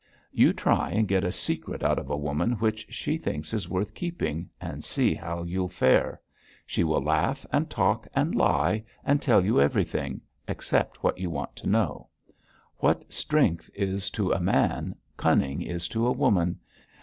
You try and get a secret out of a woman which she thinks is worth keeping, and see how you'll fare. She will laugh, and talk and lie, and tell you everything except what you want to know. What strength is to a man, cunning is to a woman.